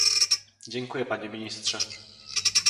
Dziękuję panie ministrze